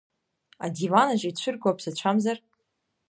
Адиван аҿы ицәырго аԥсацәамзар?